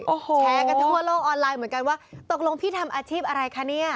โอ้โหแชร์กันทั่วโลกออนไลน์เหมือนกันว่าตกลงพี่ทำอาชีพอะไรคะเนี่ย